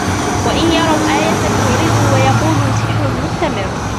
وَإِن يَرَوا آيَةً يُعرِضوا وَيَقولوا سِحرٌ مُستَمِرٌّ